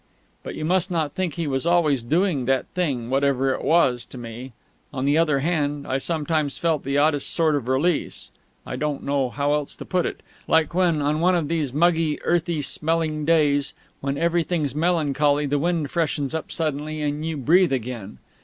But you must not think he was always doing that thing whatever it was to me. On the other hand, I sometimes felt the oddest sort of release (I don't know how else to put it) ... like when, on one of these muggy, earthy smelling days, when everything's melancholy, the wind freshens up suddenly and you breathe again.